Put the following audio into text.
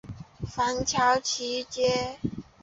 芬乔奇街。